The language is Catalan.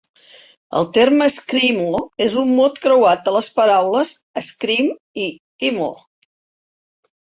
El terme screamo és un mot creuat de les paraules "scream" i "emo".